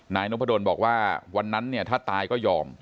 นายนุภดลบอกว่าวันนั้นถ้าตายก็ยอม